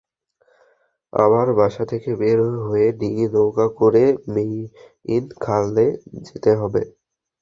আবার বাসা থেকে বের হয়ে ডিঙি নৌকা করে মেইন খালে যেতে হবে।